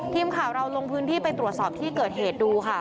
ทีมข่าวเราลงพื้นที่ไปตรวจสอบที่เกิดเหตุดูค่ะ